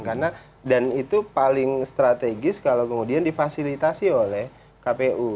karena dan itu paling strategis kalau kemudian difasilitasi oleh kpu